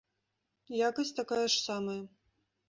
Якасць такая ж самая.